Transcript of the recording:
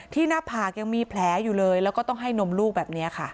หน้าผากยังมีแผลอยู่เลยแล้วก็ต้องให้นมลูกแบบนี้ค่ะ